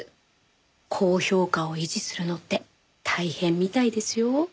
高評価を維持するのって大変みたいですよ。